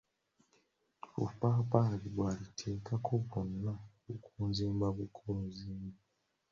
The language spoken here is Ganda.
Obupaapali bweriteekako bwonna bukoozimba bukoozimbi.